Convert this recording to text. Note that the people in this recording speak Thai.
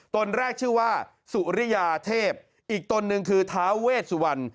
นแรกชื่อว่าสุริยาเทพอีกตนหนึ่งคือท้าเวชสุวรรณ